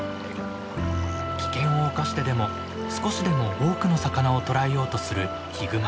危険を冒してでも少しでも多くの魚を捕らえようとするヒグマ。